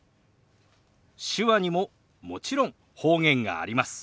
手話にももちろん方言があります。